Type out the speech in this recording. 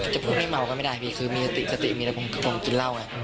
จะพูดไม่เมาก็ไม่ได้พี่คือมีสติมีระบบกินเหล้า